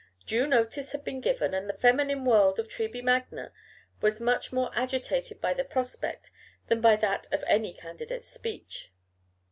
Due notice had been given, and the feminine world of Treby Magna was much more agitated by the prospect than by that of any candidate's speech.